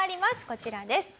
こちらです。